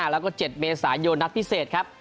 แล้วก็๗เมษายนนัดพิเศษครับ